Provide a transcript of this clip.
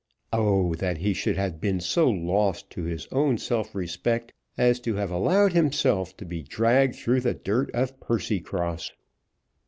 Oh, that he should have been so lost to his own self respect as to have allowed himself to be dragged through the dirt of Percycross!